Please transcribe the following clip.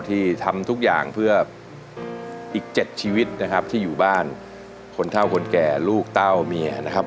ที่ทำทุกอย่างเพื่ออีก๗ชีวิตนะครับที่อยู่บ้านคนเท่าคนแก่ลูกเต้าเมียนะครับ